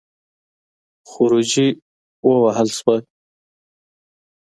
خروجی ووهه شو.